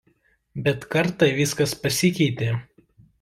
Bet kartą viskas pasikeitė.